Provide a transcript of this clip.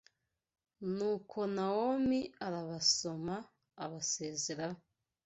Nuko Nawomi arabasoma abasezeraho